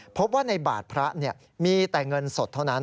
พบว่าในบาทพระมีแต่เงินสดเท่านั้น